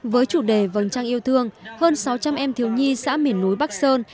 với chủ đề vầng trăng yêu thương hơn sáu trăm linh em thiếu nhi xã miển núi bắc sơn